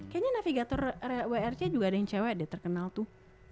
kayaknya navigator wrc juga ada yang cewek deh terkenal tuh